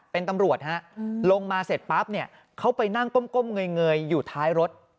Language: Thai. เป็นตำรวจฮะลงมาเสร็จปั๊บเนี่ยเขาไปนั่งก้มเงยอยู่ท้ายรถ